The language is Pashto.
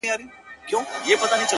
دلته خواران ټوله وي دلته ليوني ورانوي؛